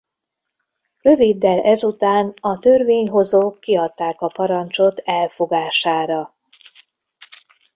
Röviddel ezután a törvényhozók kiadták a parancsot elfogására.